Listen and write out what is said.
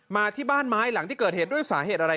มาที่บ้านไม้หลังที่เกิดเหตุด้วยสาเหตุอะไร